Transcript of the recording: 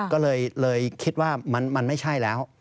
ก็เลยคิดว่ามันไม่ใช่แล้ว